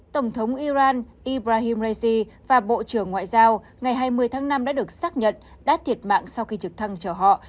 tổng thống iran ibrahim raisi và bộ trưởng ngoại giao ngày hai mươi tháng năm đã được xác nhận đã thiệt mạng sau khi trực thăng chở họ